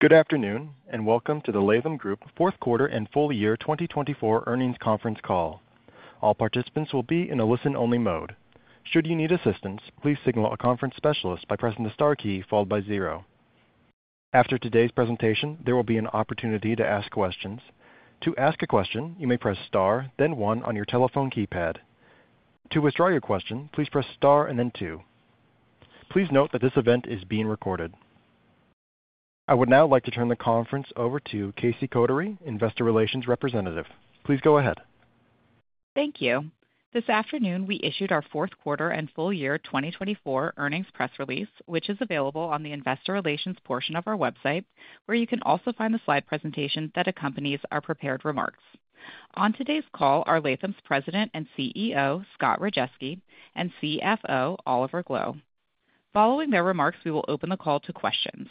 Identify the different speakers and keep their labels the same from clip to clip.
Speaker 1: Good afternoon, and welcome to the Latham Group Fourth Quarter and Full Year 2024 Earnings Conference Call. All participants will be in a listen-only mode. Should you need assistance, please signal a conference specialist by pressing the star key followed by zero. After today's presentation, there will be an opportunity to ask questions. To ask a question, you may press star, then one on your telephone keypad. To withdraw your question, please press star and then two. Please note that this event is being recorded. I would now like to turn the conference over to Casey Kotary, Investor Relations Representative. Please go ahead.
Speaker 2: Thank you. This afternoon, we issued our fourth quarter and full year 2024 earnings press release, which is available on the Investor Relations portion of our website, where you can also find the slide presentation that accompanies our prepared remarks. On today's call are Latham's President and CEO, Scott Rajeski, and CFO, Oliver Gloe. Following their remarks, we will open the call to questions.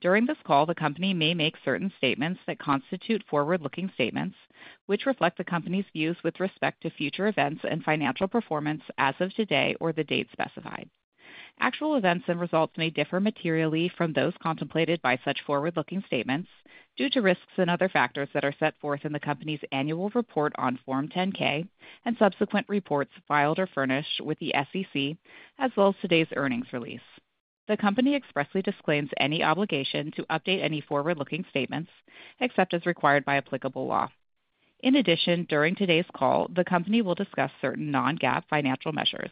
Speaker 2: During this call, the company may make certain statements that constitute forward-looking statements, which reflect the company's views with respect to future events and financial performance as of today or the date specified. Actual events and results may differ materially from those contemplated by such forward-looking statements due to risks and other factors that are set forth in the company's annual report on Form 10-K and subsequent reports filed or furnished with the SEC, as well as today's earnings release. The company expressly disclaims any obligation to update any forward-looking statements except as required by applicable law. In addition, during today's call, the company will discuss certain non-GAAP financial measures.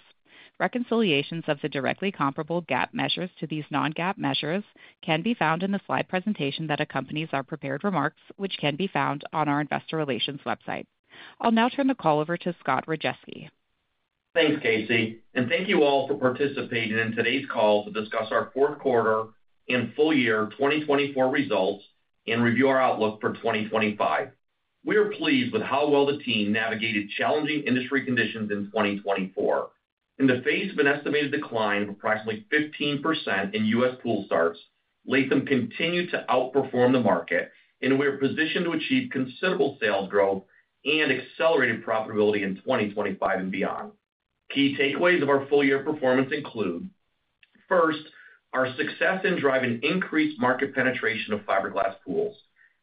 Speaker 2: Reconciliations of the directly comparable GAAP measures to these non-GAAP measures can be found in the slide presentation that accompanies our prepared remarks, which can be found on our Investor Relations website. I'll now turn the call over to Scott Rajeski.
Speaker 3: Thanks, Casey. Thank you all for participating in today's call to discuss our fourth quarter and full year 2024 results and review our outlook for 2025. We are pleased with how well the team navigated challenging industry conditions in 2024. In the face of an estimated decline of approximately 15% in U.S. pool starts, Latham continued to outperform the market, and we are positioned to achieve considerable sales growth and accelerated profitability in 2025 and beyond. Key takeaways of our full-year performance include: first, our success in driving increased market penetration of fiberglass pools.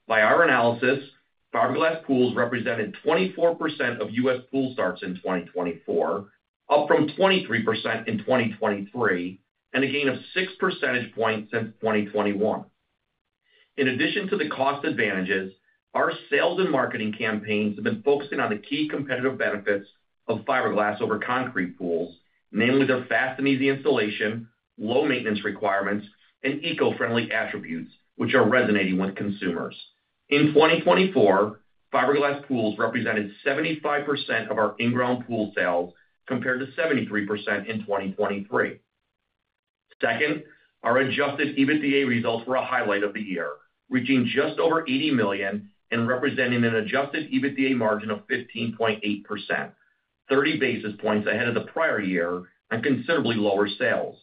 Speaker 3: By our analysis, fiberglass pools represented 24% of U.S. pool starts in 2024, up from 23% in 2023, and a gain of six percentage points since 2021. In addition to the cost advantages, our sales and marketing campaigns have been focusing on the key competitive benefits of fiberglass over concrete pools, namely their fast and easy installation, low maintenance requirements, and eco-friendly attributes, which are resonating with consumers. In 2024, fiberglass pools represented 75% of our in-ground pool sales compared to 73% in 2023. Second, our adjusted EBITDA results were a highlight of the year, reaching just over $80 million and representing an adjusted EBITDA margin of 15.8%, 30 basis points ahead of the prior year and considerably lower sales.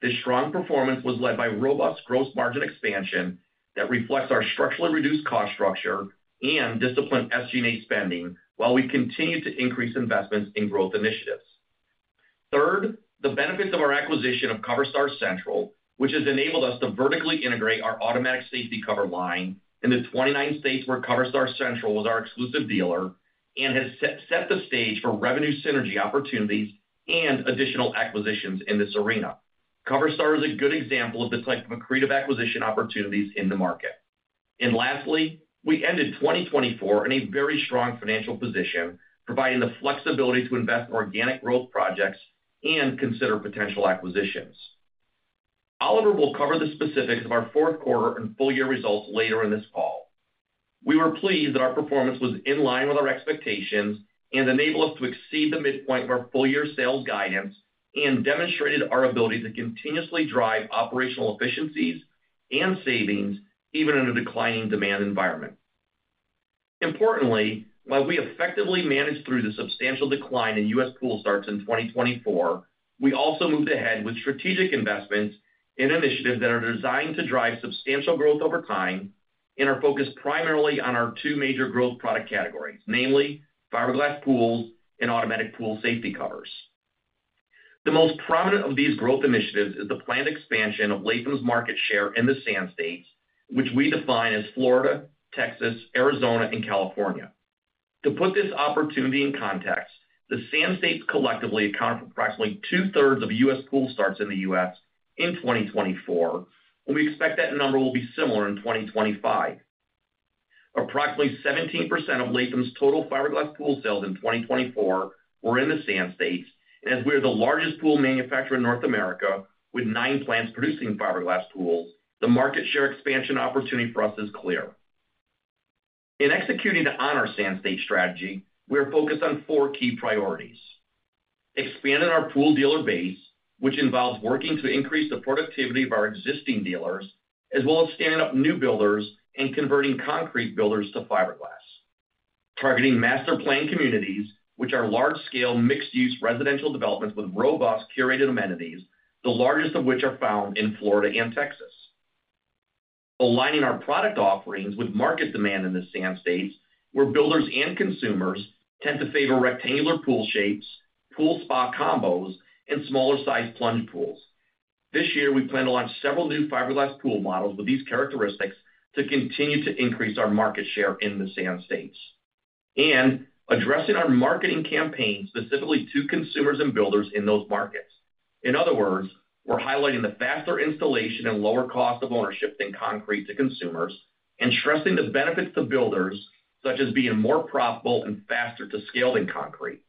Speaker 3: This strong performance was led by robust gross margin expansion that reflects our structurally reduced cost structure and disciplined SG&A spending while we continue to increase investments in growth initiatives. Third, the benefits of our acquisition of CoverStar Central, which has enabled us to vertically integrate our automatic safety cover line in the 29 states where CoverStar Central was our exclusive dealer, and has set the stage for revenue synergy opportunities and additional acquisitions in this arena. CoverStar is a good example of the type of accretive acquisition opportunities in the market. Lastly, we ended 2024 in a very strong financial position, providing the flexibility to invest in organic growth projects and consider potential acquisitions. Oliver will cover the specifics of our fourth quarter and full year results later in this call. We were pleased that our performance was in line with our expectations and enabled us to exceed the midpoint of our full-year sales guidance and demonstrated our ability to continuously drive operational efficiencies and savings even in a declining demand environment. Importantly, while we effectively managed through the substantial decline in U.S. pool starts in 2024, we also moved ahead with strategic investments in initiatives that are designed to drive substantial growth over time and are focused primarily on our two major growth product categories, namely fiberglass pools and automatic pool safety covers. The most prominent of these growth initiatives is the planned expansion of Latham's market share in the Sand States, which we define as Florida, Texas, Arizona, and California. To put this opportunity in context, the Sand States collectively account for approximately two-thirds of U.S. pool starts in the U.S. in 2024, and we expect that number will be similar in 2025. Approximately 17% of Latham's total fiberglass pool sales in 2024 were in the Sand States, and as we are the largest pool manufacturer in North America with nine plants producing fiberglass pools, the market share expansion opportunity for us is clear. In executing to honor Sand States' strategy, we are focused on four key priorities: expanding our pool dealer base, which involves working to increase the productivity of our existing dealers, as well as standing up new builders and converting concrete builders to fiberglass; targeting master plan communities, which are large-scale mixed-use residential developments with robust curated amenities, the largest of which are found in Florida and Texas; aligning our product offerings with market demand in the Sand States, where builders and consumers tend to favor rectangular pool shapes, pool spa combos, and smaller-sized plunge pools. This year, we plan to launch several new fiberglass pool models with these characteristics to continue to increase our market share in the Sand States, and addressing our marketing campaign specifically to consumers and builders in those markets. In other words, we're highlighting the faster installation and lower cost of ownership than concrete to consumers and stressing the benefits to builders, such as being more profitable and faster to scale than concrete.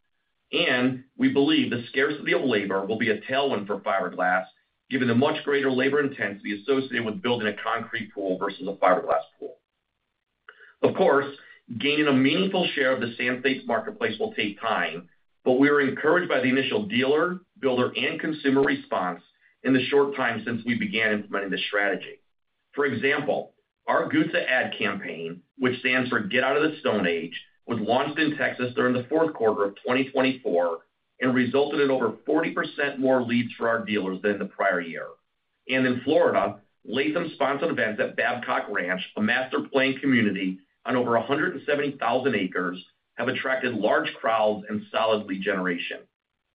Speaker 3: We believe the scarcity of labor will be a tailwind for fiberglass, given the much greater labor intensity associated with building a concrete pool versus a fiberglass pool. Of course, gaining a meaningful share of the Sand States marketplace will take time, but we are encouraged by the initial dealer, builder, and consumer response in the short time since we began implementing this strategy. For example, our GOTSA campaign, which stands for Get Out of the Stone Age, was launched in Texas during the fourth quarter of 2024 and resulted in over 40% more leads for our dealers than in the prior year. In Florida, Latham-sponsored events at Babcock Ranch, a master plan community on over 170,000 acres, have attracted large crowds and solid lead generation.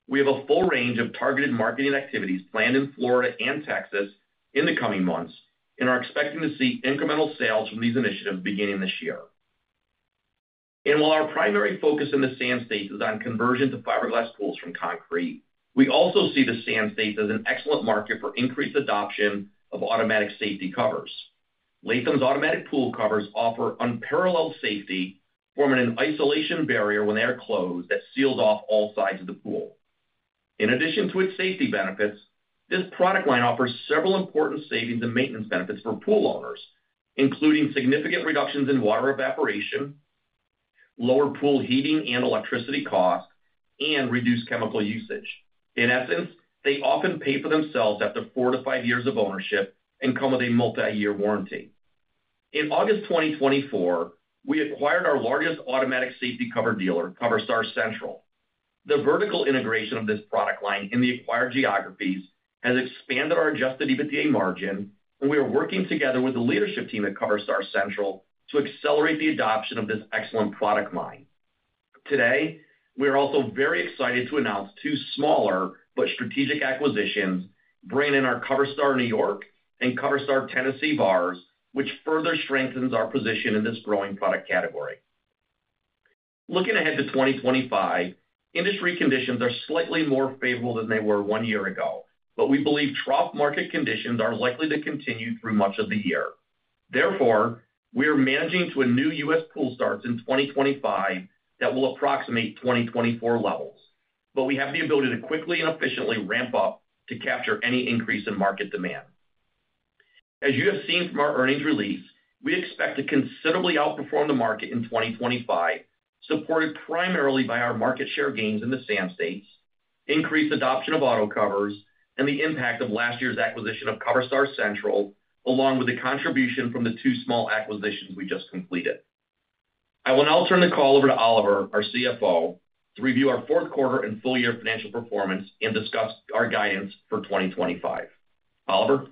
Speaker 3: We have a full range of targeted marketing activities planned in Florida and Texas in the coming months and are expecting to see incremental sales from these initiatives beginning this year. While our primary focus in the Sand States is on conversion to fiberglass pools from concrete, we also see the Sand States as an excellent market for increased adoption of automatic safety covers. Latham's automatic pool covers offer unparalleled safety, forming an isolation barrier when they are closed that seals off all sides of the pool. In addition to its safety benefits, this product line offers several important savings and maintenance benefits for pool owners, including significant reductions in water evaporation, lower pool heating and electricity costs, and reduced chemical usage. In essence, they often pay for themselves after four to five years of ownership and come with a multi-year warranty. In August 2024, we acquired our largest automatic safety cover dealer, CoverStar Central. The vertical integration of this product line in the acquired geographies has expanded our adjusted EBITDA margin, and we are working together with the leadership team at CoverStar Central to accelerate the adoption of this excellent product line. Today, we are also very excited to announce two smaller but strategic acquisitions, bringing in our CoverStar New York and CoverStar Tennessee, which further strengthens our position in this growing product category. Looking ahead to 2025, industry conditions are slightly more favorable than they were one year ago, but we believe trough market conditions are likely to continue through much of the year. Therefore, we are managing to a new U.S. pool starts in 2025 that will approximate 2024 levels, but we have the ability to quickly and efficiently ramp up to capture any increase in market demand. As you have seen from our earnings release, we expect to considerably outperform the market in 2025, supported primarily by our market share gains in the Sand States, increased adoption of auto covers, and the impact of last year's acquisition of CoverStar Central, along with the contribution from the two small acquisitions we just completed. I will now turn the call over to Oliver, our CFO, to review our fourth quarter and full year financial performance and discuss our guidance for 2025. Oliver?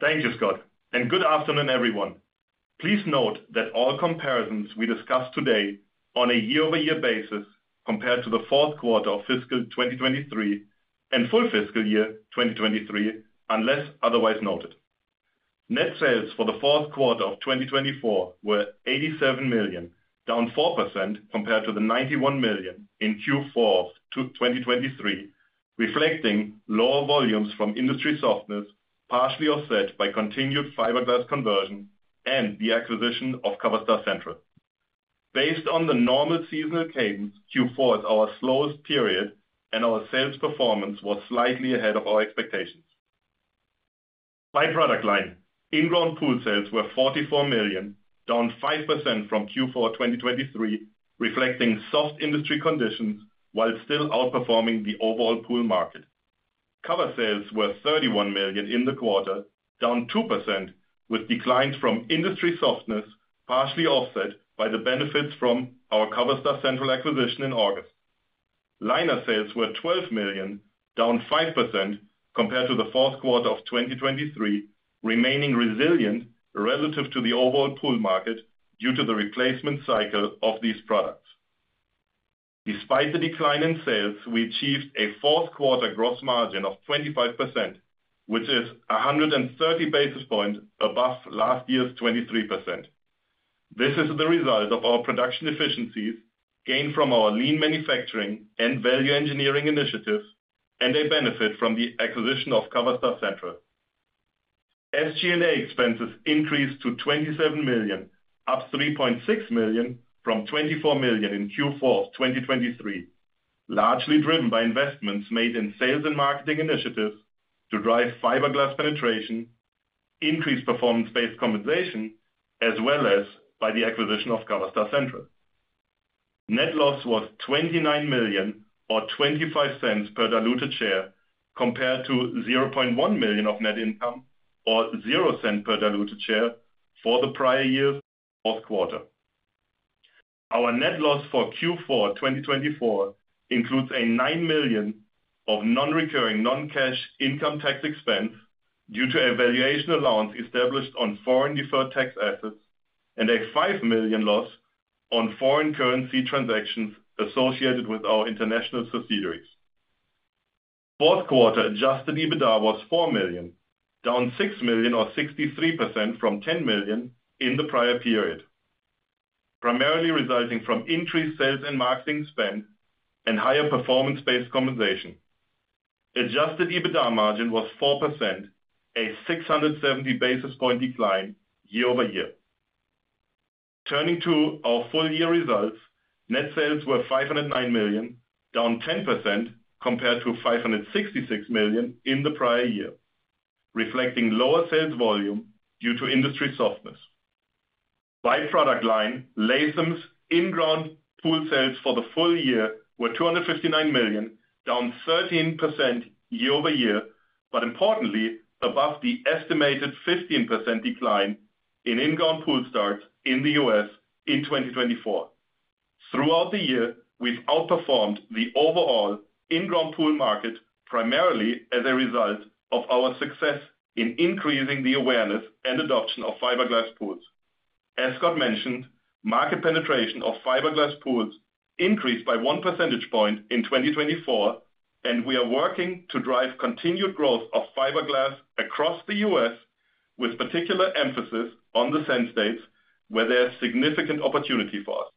Speaker 4: Thank you, Scott. Good afternoon, everyone. Please note that all comparisons we discuss today are on a year-over-year basis compared to the fourth quarter of fiscal 2023 and full fiscal year 2023, unless otherwise noted. Net sales for the fourth quarter of 2024 were $87 million, down 4% compared to the $91 million in Q4 of 2023, reflecting lower volumes from industry softness partially offset by continued fiberglass conversion and the acquisition of CoverStar Central. Based on the normal seasonal cadence, Q4 is our slowest period, and our sales performance was slightly ahead of our expectations. By product line, in-ground pool sales were $44 million, down 5% from Q4 2023, reflecting soft industry conditions while still outperforming the overall pool market. Cover sales were $31 million in the quarter, down 2%, with declines from industry softness partially offset by the benefits from our CoverStar Central acquisition in August. Liner sales were $12 million, down 5% compared to the fourth quarter of 2023, remaining resilient relative to the overall pool market due to the replacement cycle of these products. Despite the decline in sales, we achieved a fourth quarter gross margin of 25%, which is 130 basis points above last year's 23%. This is the result of our production efficiencies gained from our lean manufacturing and value engineering initiatives and a benefit from the acquisition of CoverStar Central. SG&A expenses increased to $27 million, up $3.6 million from $24 million in Q4 of 2023, largely driven by investments made in sales and marketing initiatives to drive fiberglass penetration, increased performance-based compensation, as well as by the acquisition of CoverStar Central. Net loss was $29 million or $0.25 per diluted share compared to $0.1 million of net income or $0.00 per diluted share for the prior year's fourth quarter. Our net loss for Q4 2024 includes a $9 million non-recurring non-cash income tax expense due to a valuation allowance established on foreign deferred tax assets and a $5 million loss on foreign currency transactions associated with our international subsidiaries. Fourth quarter adjusted EBITDA was $4 million, down $6 million or 63% from $10 million in the prior period, primarily resulting from increased sales and marketing spend and higher performance-based compensation. Adjusted EBITDA margin was 4%, a 670 basis point decline year over year. Turning to our full-year results, net sales were $509 million, down 10% compared to $566 million in the prior year, reflecting lower sales volume due to industry softness. By product line, Latham's in-ground pool sales for the full year were $259 million, down 13% year over year, but importantly, above the estimated 15% decline in in-ground pool starts in the U.S. in 2024. Throughout the year, we've outperformed the overall in-ground pool market primarily as a result of our success in increasing the awareness and adoption of fiberglass pools. As Scott mentioned, market penetration of fiberglass pools increased by one percentage point in 2024, and we are working to drive continued growth of fiberglass across the U.S., with particular emphasis on the Sand States, where there is significant opportunity for us.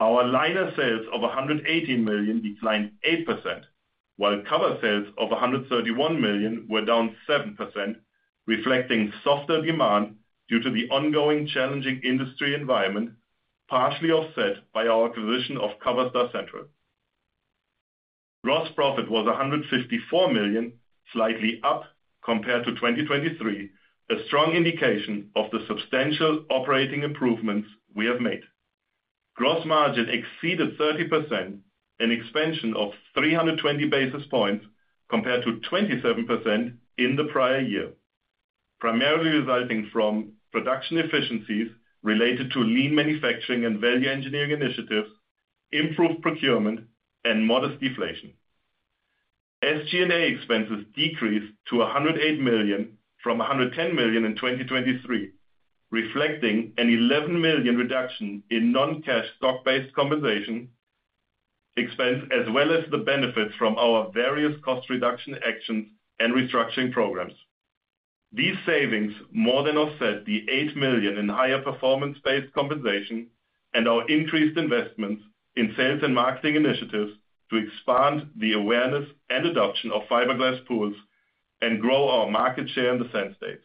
Speaker 4: Our liner sales of $118 million declined 8%, while cover sales of $131 million were down 7%, reflecting softer demand due to the ongoing challenging industry environment, partially offset by our acquisition of CoverStar Central. Gross profit was $154 million, slightly up compared to 2023, a strong indication of the substantial operating improvements we have made. Gross margin exceeded 30%, an expansion of 320 basis points compared to 27% in the prior year, primarily resulting from production efficiencies related to lean manufacturing and value engineering initiatives, improved procurement, and modest deflation. SG&A expenses decreased to $108 million from $110 million in 2023, reflecting an $11 million reduction in non-cash stock-based compensation expense, as well as the benefits from our various cost reduction actions and restructuring programs. These savings more than offset the $8 million in higher performance-based compensation and our increased investments in sales and marketing initiatives to expand the awareness and adoption of fiberglass pools and grow our market share in the Sand States.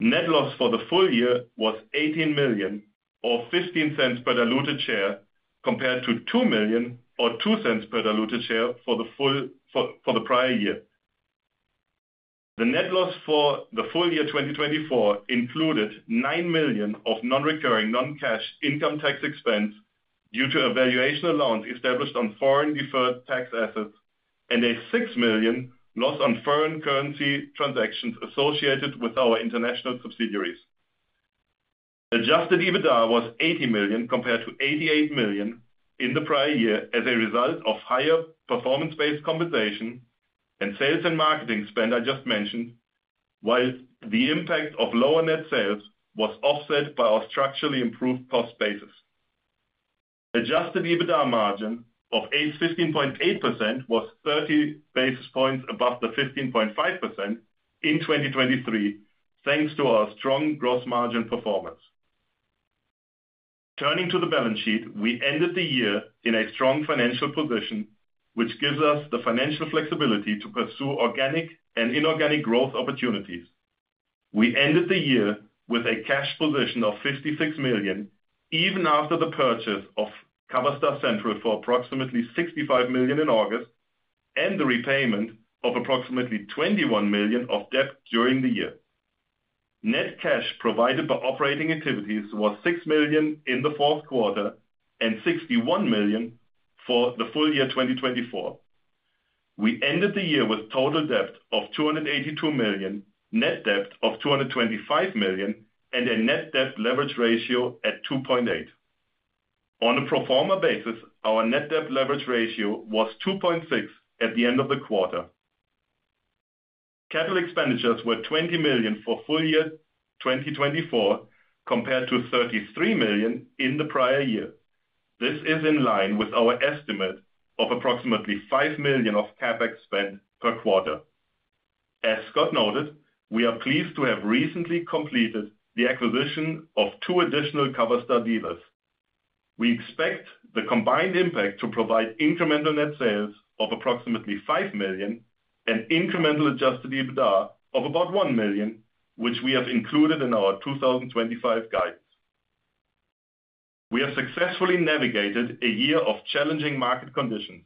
Speaker 4: Net loss for the full year was $18 million or $0.15 per diluted share compared to $2 million or $0.02 per diluted share for the prior year. The net loss for the full year 2024 included $9 million of non-recurring non-cash income tax expense due to a valuation allowance established on foreign deferred tax assets and a $6 million loss on foreign currency transactions associated with our international subsidiaries. Adjusted EBITDA was $80 million compared to $88 million in the prior year as a result of higher performance-based compensation and sales and marketing spend I just mentioned, while the impact of lower net sales was offset by our structurally improved cost basis. Adjusted EBITDA margin of 15.8% was 30 basis points above the 15.5% in 2023, thanks to our strong gross margin performance. Turning to the balance sheet, we ended the year in a strong financial position, which gives us the financial flexibility to pursue organic and inorganic growth opportunities. We ended the year with a cash position of $56 million, even after the purchase of CoverStar Central for approximately $65 million in August and the repayment of approximately $21 million of debt during the year. Net cash provided by operating activities was $6 million in the fourth quarter and $61 million for the full year 2024. We ended the year with total debt of $282 million, net debt of $225 million, and a net debt leverage ratio at 2.8. On a pro forma basis, our net debt leverage ratio was 2.6 at the end of the quarter. Capital expenditures were $20 million for full year 2024 compared to $33 million in the prior year. This is in line with our estimate of approximately $5 million of CapEx spent per quarter. As Scott noted, we are pleased to have recently completed the acquisition of two additional CoverStar dealers. We expect the combined impact to provide incremental net sales of approximately $5 million and incremental adjusted EBITDA of about $1 million, which we have included in our 2025 guidance. We have successfully navigated a year of challenging market conditions.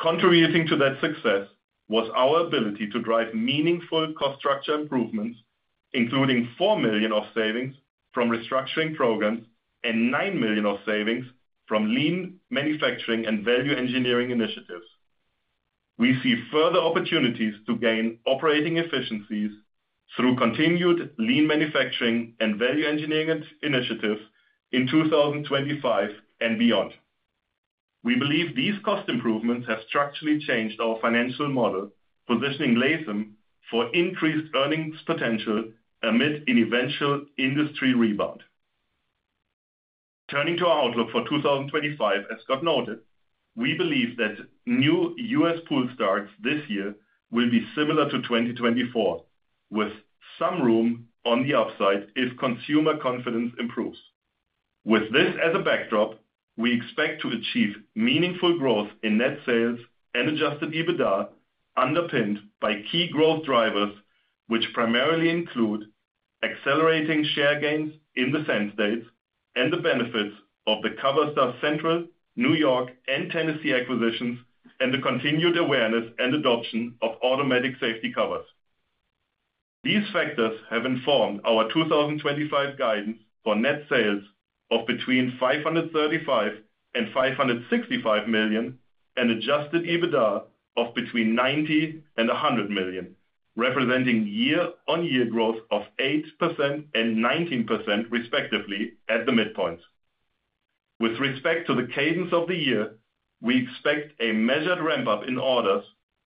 Speaker 4: Contributing to that success was our ability to drive meaningful cost structure improvements, including $4 million of savings from restructuring programs and $9 million of savings from lean manufacturing and value engineering initiatives. We see further opportunities to gain operating efficiencies through continued lean manufacturing and value engineering initiatives in 2025 and beyond. We believe these cost improvements have structurally changed our financial model, positioning Latham for increased earnings potential amid an eventual industry rebound. Turning to our outlook for 2025, as Scott noted, we believe that new U.S. pool starts this year will be similar to 2024, with some room on the upside if consumer confidence improves. With this as a backdrop, we expect to achieve meaningful growth in net sales and adjusted EBITDA underpinned by key growth drivers, which primarily include accelerating share gains in the Sand States and the benefits of the CoverStar Central, New York, and Tennessee acquisitions and the continued awareness and adoption of automatic safety covers. These factors have informed our 2025 guidance for net sales of between $535 million and $565 million and adjusted EBITDA of between $90 million and $100 million, representing year-on-year growth of 8% and 19%, respectively, at the midpoint. With respect to the cadence of the year, we expect a measured ramp-up in orders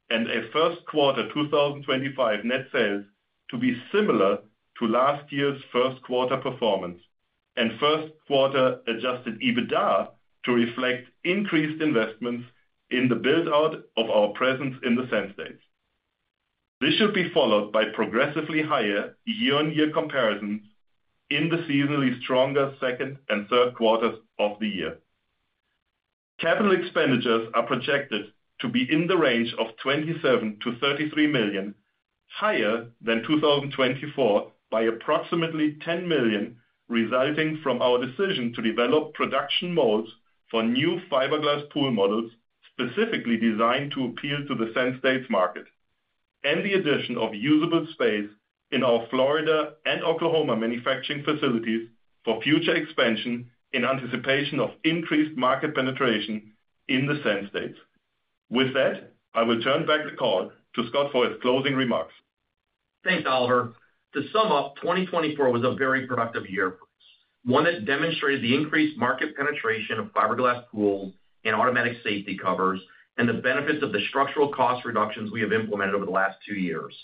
Speaker 4: and a first quarter 2025 net sales to be similar to last year's first quarter performance and first quarter adjusted EBITDA to reflect increased investments in the build-out of our presence in the Sand States. This should be followed by progressively higher year-on-year comparisons in the seasonally stronger second and third quarters of the year. Capital expenditures are projected to be in the range of $27 million to $33 million, higher than 2024 by approximately $10 million, resulting from our decision to develop production molds for new fiberglass pool models specifically designed to appeal to the Sand States market and the addition of usable space in our Florida and Oklahoma manufacturing facilities for future expansion in anticipation of increased market penetration in the Sand States. With that, I will turn back the call to Scott for his closing remarks.
Speaker 3: Thanks, Oliver. To sum up, 2024 was a very productive year, one that demonstrated the increased market penetration of fiberglass pools and automatic safety covers and the benefits of the structural cost reductions we have implemented over the last two years.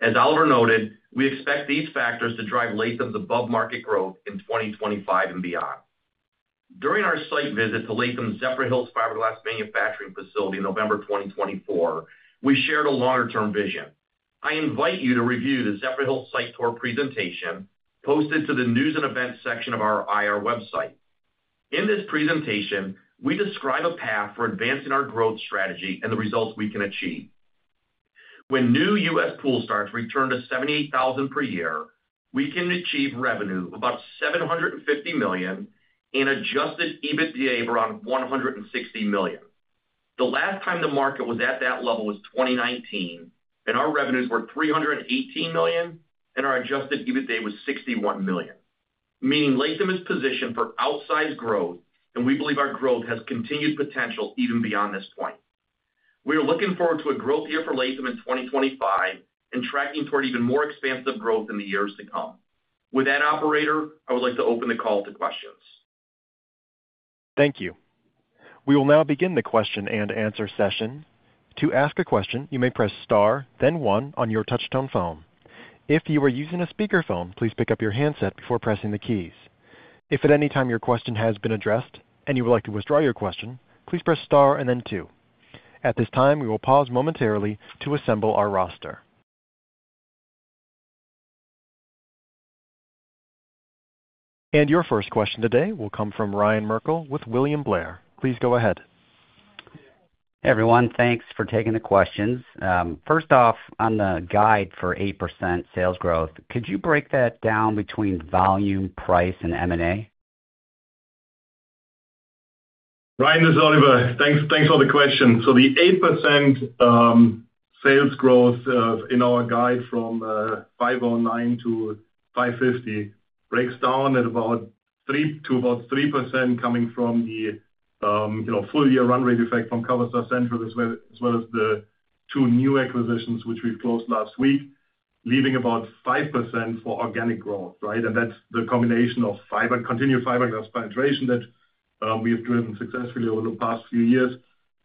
Speaker 3: As Oliver noted, we expect these factors to drive Latham's above-market growth in 2025 and beyond. During our site visit to Latham's Zephyrhills fiberglass manufacturing facility in November 2024, we shared a longer-term vision. I invite you to review the Zephyrhills site tour presentation posted to the news and events section of our IR website. In this presentation, we describe a path for advancing our growth strategy and the results we can achieve. When new U.S.
Speaker 4: Pool starts return to 78,000 per year, we can achieve revenue of about $750 million and adjusted EBITDA of around $160 million. The last time the market was at that level was 2019, and our revenues were $318 million, and our adjusted EBITDA was $61 million, meaning Latham is positioned for outsized growth, and we believe our growth has continued potential even beyond this point. We are looking forward to a growth year for Latham in 2025 and tracking toward even more expansive growth in the years to come. With that, Operator, I would like to open the call to questions.
Speaker 1: Thank you. We will now begin the question and answer session. To ask a question, you may press Star, then one on your touch-tone phone. If you are using a speakerphone, please pick up your handset before pressing the keys. If at any time your question has been addressed and you would like to withdraw your question, please press Star and then two. At this time, we will pause momentarily to assemble our roster. Your first question today will come from Ryan Merkel with William Blair. Please go ahead.
Speaker 5: Hey, everyone. Thanks for taking the questions. First off, on the guide for 8% sales growth, could you break that down between volume, price, and M&A?
Speaker 4: Ryan, this is Oliver. Thanks for the question. The 8% sales growth in our guide from $509 million to $550 million breaks down at about 3% coming from the full-year run rate effect from CoverStar Central, as well as the two new acquisitions which we have closed last week, leaving about 5% for organic growth. That's the combination of continued fiberglass penetration that we've driven successfully over the past few years,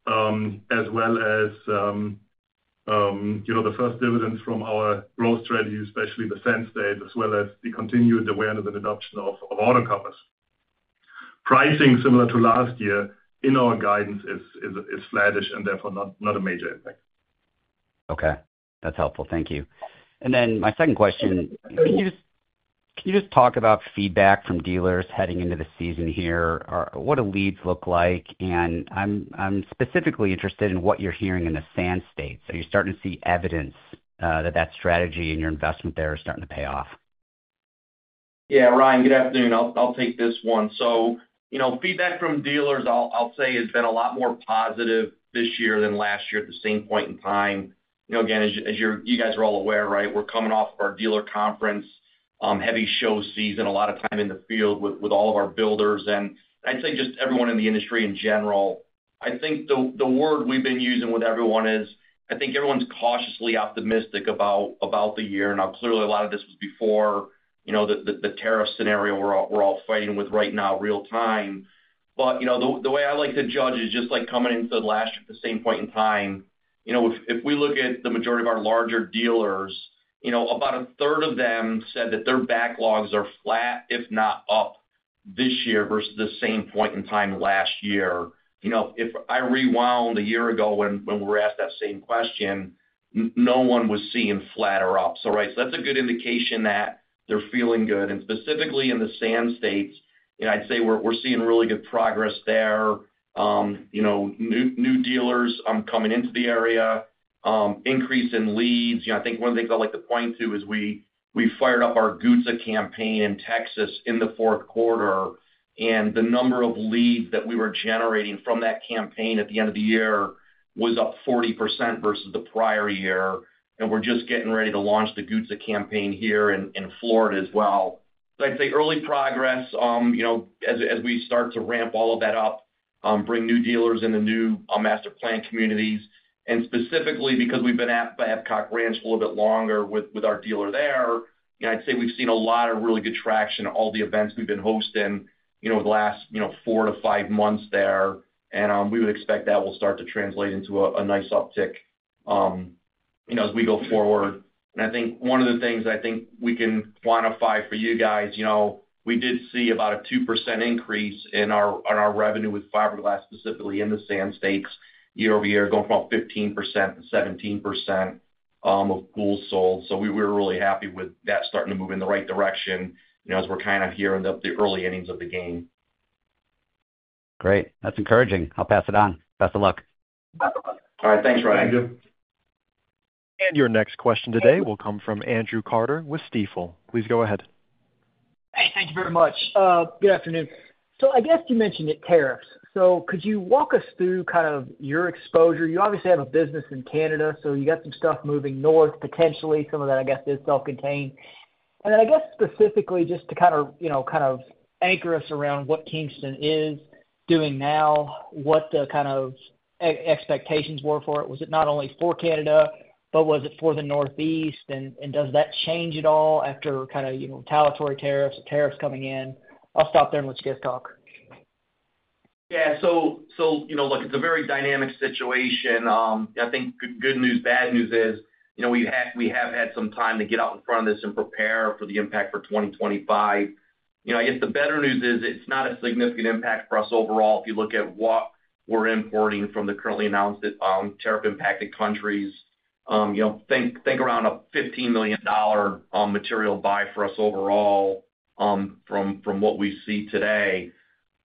Speaker 4: as well as the first dividends from our growth strategy, especially the Sand States, as well as the continued awareness and adoption of auto covers. Pricing, similar to last year, in our guidance is slattish and therefore not a major impact.
Speaker 5: Okay. That's helpful. Thank you. My second question, can you just talk about feedback from dealers heading into the season here? What do leads look like? I'm specifically interested in what you're hearing in the Sand States. Are you starting to see evidence that that strategy and your investment there are starting to pay off?
Speaker 3: Yeah. Ryan, good afternoon. I'll take this one. Feedback from dealers, I'll say, has been a lot more positive this year than last year at the same point in time. Again, as you guys are all aware, we're coming off of our dealer conference, heavy show season, a lot of time in the field with all of our builders, and I'd say just everyone in the industry in general. I think the word we've been using with everyone is I think everyone's cautiously optimistic about the year. Now, clearly, a lot of this was before the tariff scenario we're all fighting with right now, real-time. The way I like to judge is just like coming into last year at the same point in time. If we look at the majority of our larger dealers, about a third of them said that their backlogs are flat, if not up, this year versus the same point in time last year. If I rewound a year ago when we were asked that same question, no one was seeing flat or up. That's a good indication that they're feeling good. Specifically in the Sand States, I'd say we're seeing really good progress there. New dealers coming into the area, increase in leads. I think one of the things I'd like to point to is we fired up our GOTSA campaign in Texas in the fourth quarter, and the number of leads that we were generating from that campaign at the end of the year was up 40% versus the prior year. We're just getting ready to launch the GOTSA campaign here in Florida as well. I'd say early progress as we start to ramp all of that up, bring new dealers in the new master plan communities. Specifically because we have been at Babcock Ranch a little bit longer with our dealer there, I would say we have seen a lot of really good traction at all the events we have been hosting the last four to five months there. We would expect that will start to translate into a nice uptick as we go forward. I think one of the things I think we can quantify for you guys, we did see about a 2% increase in our revenue with fiberglass, specifically in the Sand States, year over year, going from about 15%-17% of pools sold. We were really happy with that starting to move in the right direction as we are kind of here in the early innings of the game.
Speaker 5: Great. That is encouraging. I will pass it on. Best of luck.
Speaker 3: All right. Thanks, Ryan. Thank you.
Speaker 1: Your next question today will come from Andrew Carter with Stifel. Please go ahead.
Speaker 6: Hey, thank you very much. Good afternoon. I guess you mentioned tariffs. Could you walk us through kind of your exposure? You obviously have a business in Canada, so you got some stuff moving north, potentially. Some of that, I guess, is self-contained. I guess specifically just to kind of anchor us around what Kingston is doing now, what the kind of expectations were for it. Was it not only for Canada, but was it for the Northeast? Does that change at all after kind of retaliatory tariffs, tariffs coming in? I'll stop there and let you guys talk.
Speaker 3: Yeah. It is a very dynamic situation. I think good news, bad news is we have had some time to get out in front of this and prepare for the impact for 2025. I guess the better news is it's not a significant impact for us overall. If you look at what we're importing from the currently announced tariff-impacted countries, think around a $15 million material buy for us overall from what we see today.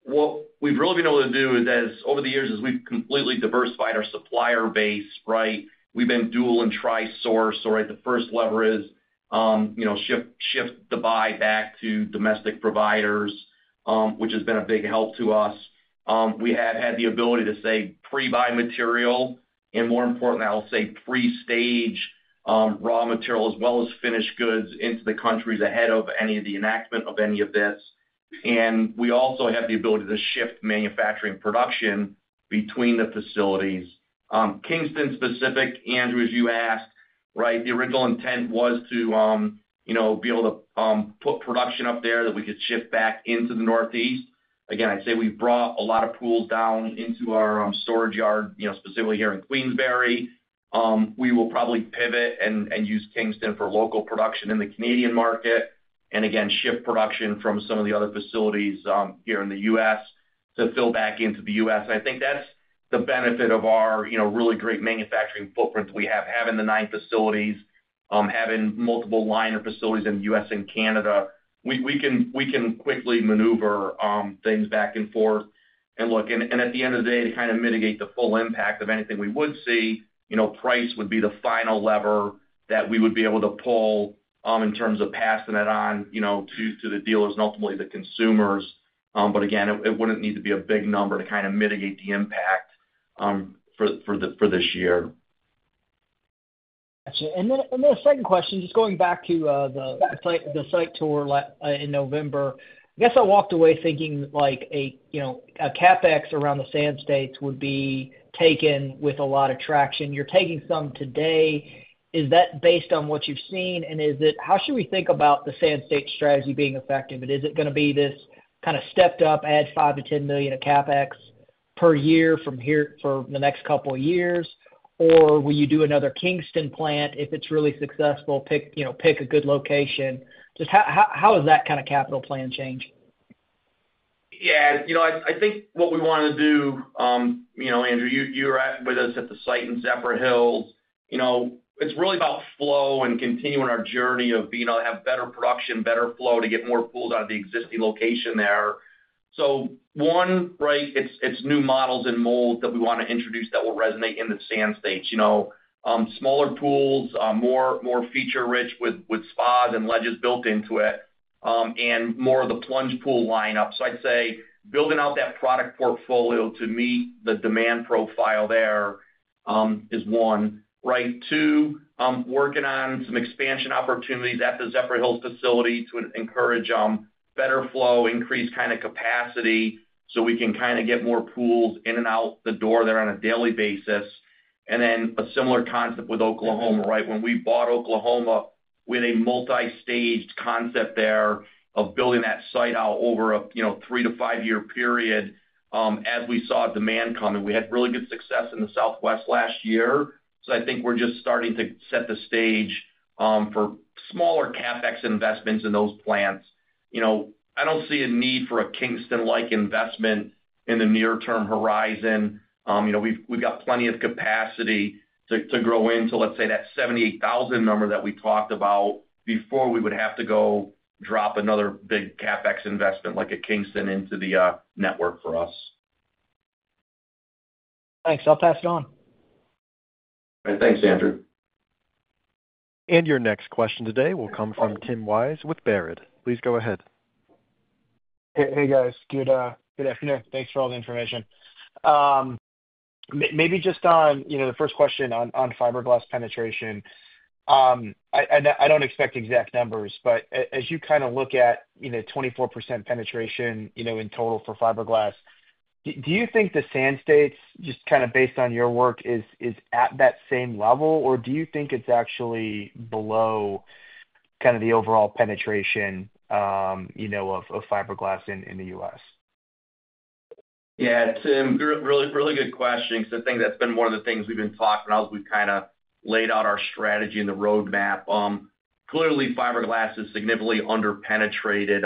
Speaker 3: What we've really been able to do is, over the years, as we've completely diversified our supplier base, we've been dual and tri-source. The first lever is shift the buy back to domestic providers, which has been a big help to us. We have had the ability to save pre-buy material and, more importantly, I'll say pre-stage raw material as well as finished goods into the countries ahead of any of the enactment of any of this. We also have the ability to shift manufacturing production between the facilities. Kingston specific, Andrew, as you asked, the original intent was to be able to put production up there that we could shift back into the Northeast. Again, I'd say we've brought a lot of pools down into our storage yard, specifically here in Queensbury. We will probably pivot and use Kingston for local production in the Canadian market and, again, shift production from some of the other facilities here in the U.S. to fill back into the U.S. I think that's the benefit of our really great manufacturing footprint that we have, having the nine facilities, having multiple liner facilities in the U.S. and Canada. We can quickly maneuver things back and forth. Look, at the end of the day, to kind of mitigate the full impact of anything we would see, price would be the final lever that we would be able to pull in terms of passing it on to the dealers and ultimately the consumers. Again, it would not need to be a big number to kind of mitigate the impact for this year.
Speaker 6: Gotcha. A second question, just going back to the site tour in November. I guess I walked away thinking a CapEx around the Sand States would be taken with a lot of traction. You are taking some today. Is that based on what you have seen? How should we think about the Sand States strategy being effective? Is it going to be this kind of stepped-up, add $5 million to $10 million of CapEx per year for the next couple of years? Or will you do another Kingston plant? If it's really successful, pick a good location. Just how does that kind of capital plan change?
Speaker 3: Yeah. I think what we want to do, Andrew, you were with us at the site in Zephyrhills. It's really about flow and continuing our journey of being able to have better production, better flow to get more pools out of the existing location there. One, it's new models and molds that we want to introduce that will resonate in the Sand States. Smaller pools, more feature-rich with spas and ledges built into it, and more of the plunge pool lineup. I'd say building out that product portfolio to meet the demand profile there is one. Two, working on some expansion opportunities at the Zephyrhills facility to encourage better flow, increase kind of capacity so we can kind of get more pools in and out the door there on a daily basis. A similar concept with Oklahoma. When we bought Oklahoma with a multi-staged concept there of building that site out over a three to five-year period, as we saw demand coming, we had really good success in the Southwest last year. I think we're just starting to set the stage for smaller CapEx investments in those plants. I do not see a need for a Kingston-like investment in the near-term horizon. We have plenty of capacity to grow into, let's say, that 78,000 number that we talked about before we would have to go drop another big CapEx investment like a Kingston into the network for us.
Speaker 6: Thanks. I'll pass it on.
Speaker 4: All right. Thanks, Andrew.
Speaker 1: Your next question today will come from Tim Wise with Baird. Please go ahead.
Speaker 7: Hey, guys. Good afternoon. Thanks for all the information. Maybe just on the first question on fiberglass penetration. I do not expect exact numbers, but as you kind of look at 24% penetration in total for fiberglass, do you think the Sand States, just kind of based on your work, is at that same level, or do you think it is actually below kind of the overall penetration of fiberglass in the U.S.?
Speaker 3: Yeah. It is a really good question. I think that has been one of the things we have been talking about as we have kind of laid out our strategy and the roadmap. Clearly, fiberglass is significantly underpenetrated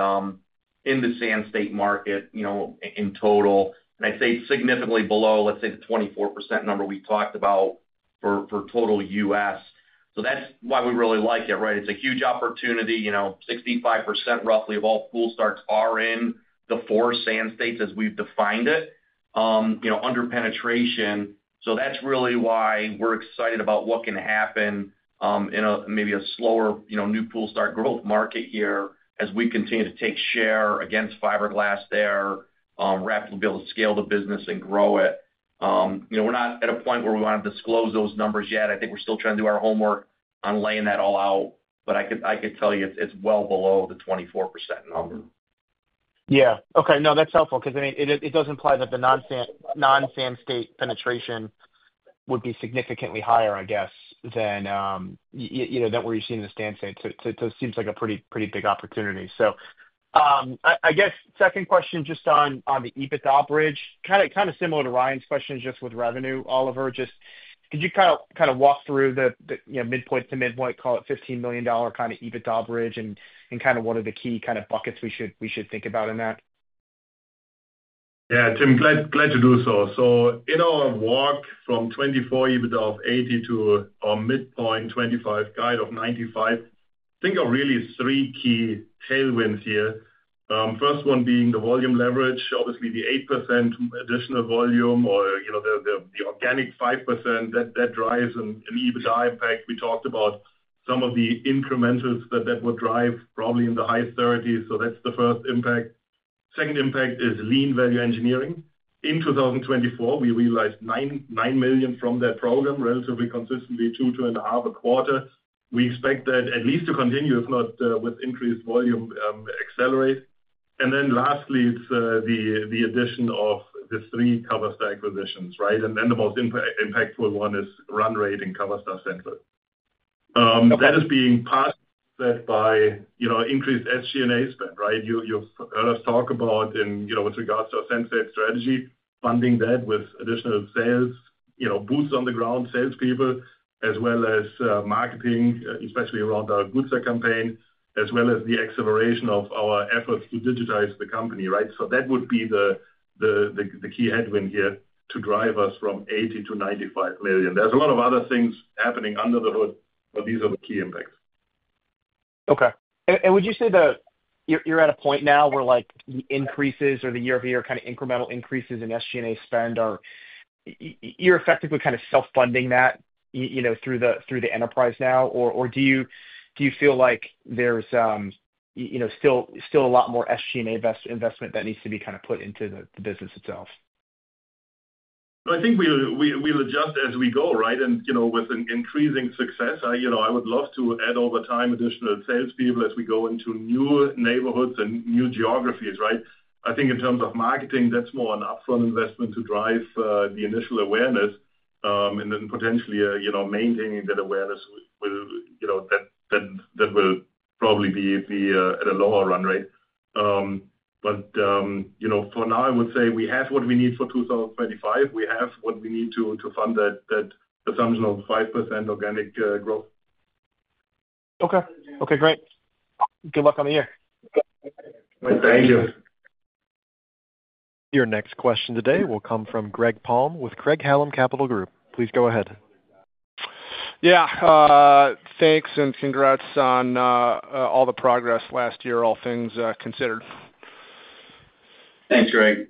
Speaker 3: in the Sand State market in total. I would say it is significantly below, let us say, the 24% number we talked about for total U.S. That's why we really like it. It's a huge opportunity. 65% roughly of all pool starts are in the four Sand States as we've defined it, under penetration. That's really why we're excited about what can happen in maybe a slower new pool start growth market here as we continue to take share against fiberglass there, rapidly be able to scale the business and grow it. We're not at a point where we want to disclose those numbers yet. I think we're still trying to do our homework on laying that all out. I could tell you it's well below the 24% number.
Speaker 7: Yeah. Okay. No, that's helpful. Because it does imply that the non-Sand State penetration would be significantly higher, I guess, than what you're seeing in the Sand States. It seems like a pretty big opportunity. I guess second question just on the EBITDA bridge, kind of similar to Ryan's question just with revenue. Oliver, just could you kind of walk through the midpoint to midpoint, call it $15 million kind of EBITDA bridge and kind of what are the key kind of buckets we should think about in that?
Speaker 4: Yeah. Tim, glad to do so. In our walk from 2024 EBITDA of $80 million to our midpoint 2025 guide of $95 million, I think of really three key tailwinds here. First one being the volume leverage, obviously the 8% additional volume or the organic 5% that drives an EBITDA impact. We talked about some of the incrementals that would drive probably in the high 30s. That is the first impact. Second impact is lean value engineering. In 2024, we realized $9 million from that program relatively consistently two to two and a half a quarter. We expect that at least to continue, if not with increased volume, accelerate. Lastly, it is the addition of the three CoverStar acquisitions. The most impactful one is run rate in CoverStar Central. That is being passed by increased SG&A spend. You have heard us talk about in with regards to our Sand State strategy, funding that with additional sales, boots on the ground, salespeople, as well as marketing, especially around our GOTSA campaign, as well as the acceleration of our efforts to digitize the company. That would be the key headwind here to drive us from $80 million to $95 million. There are a lot of other things happening under the hood, but these are the key impacts.
Speaker 7: Okay. Would you say that you're at a point now where the increases or the year-over-year kind of incremental increases in SG&A spend, you're effectively kind of self-funding that through the enterprise now? Do you feel like there's still a lot more SG&A investment that needs to be kind of put into the business itself?
Speaker 4: I think we'll adjust as we go. With increasing success, I would love to add over time additional salespeople as we go into new neighborhoods and new geographies. I think in terms of marketing, that's more an upfront investment to drive the initial awareness. Potentially maintaining that awareness will probably be at a lower run rate. For now, I would say we have what we need for 2025. We have what we need to fund that assumption of 5% organic growth.
Speaker 7: Okay. Okay. Great. Good luck on the year.
Speaker 4: Thank you.
Speaker 1: Your next question today will come from Greg Palm with Craig-Hallum Capital Group. Please go ahead.
Speaker 8: Yeah. Thanks and congrats on all the progress last year, all things considered.
Speaker 4: Thanks, Greg.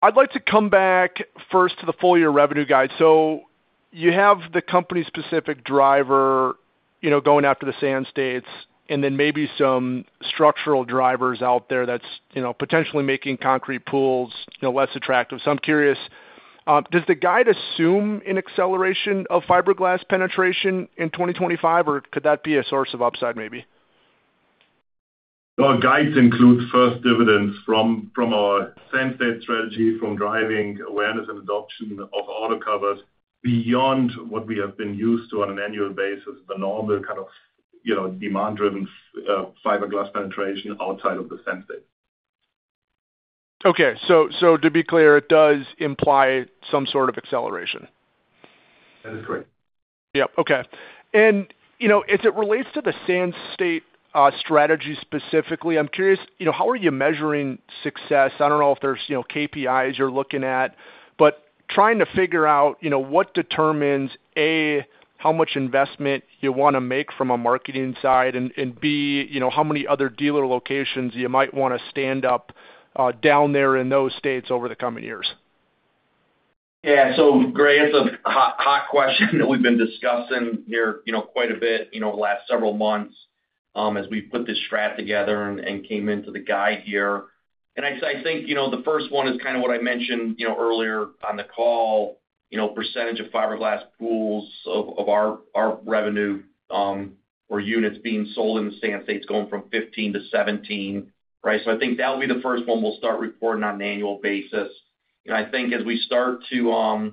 Speaker 8: I'd like to come back first to the full year revenue guide. You have the company-specific driver going after the Sand States and then maybe some structural drivers out there that's potentially making concrete pools less attractive. I'm curious, does the guide assume an acceleration of fiberglass penetration in 2025, or could that be a source of upside maybe?
Speaker 4: Guides include first dividends from our Sand State strategy from driving awareness and adoption of auto covers beyond what we have been used to on an annual basis, the normal kind of demand-driven fiberglass penetration outside of the Sand State.
Speaker 8: Okay. To be clear, it does imply some sort of acceleration.
Speaker 4: That is correct.
Speaker 8: Yep. Okay. As it relates to the Sand State strategy specifically, I'm curious, how are you measuring success? I don't know if there's KPIs you're looking at, but trying to figure out what determines, A, how much investment you want to make from a marketing side, and B, how many other dealer locations you might want to stand up down there in those states over the coming years.
Speaker 3: Yeah. Greg, it's a hot question that we've been discussing here quite a bit over the last several months as we put this strat together and came into the guide here. I think the first one is kind of what I mentioned earlier on the call, percentage of fiberglass pools of our revenue or units being sold in the Sand States going from 15%-17%. I think that will be the first one we'll start reporting on an annual basis. I think as we start to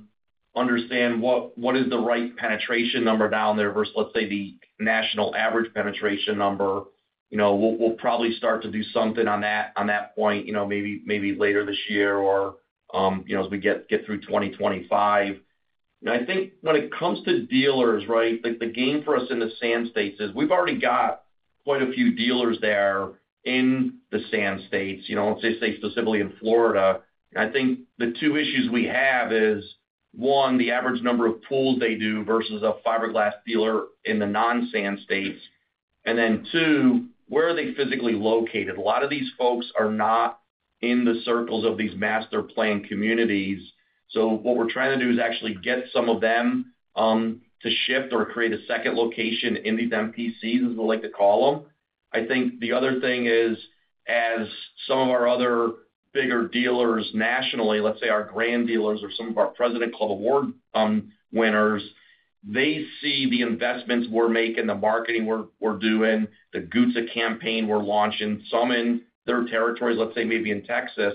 Speaker 3: understand what is the right penetration number down there versus, let's say, the national average penetration number, we'll probably start to do something on that point maybe later this year or as we get through 2025. I think when it comes to dealers, the game for us in the Sand States is we've already got quite a few dealers there in the Sand States, let's say specifically in Florida. I think the two issues we have are, one, the average number of pools they do versus a fiberglass dealer in the non-Sand States. Then two, where are they physically located? A lot of these folks are not in the circles of these master plan communities. What we're trying to do is actually get some of them to shift or create a second location in these MPCs, as they like to call them. I think the other thing is, as some of our other bigger dealers nationally, let's say our grand dealers or some of our President Club Award winners, they see the investments we're making, the marketing we're doing, the GOTSA campaign we're launching, some in their territories, let's say maybe in Texas.